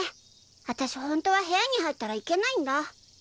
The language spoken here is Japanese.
私ホントは部屋に入ったらいけないんだ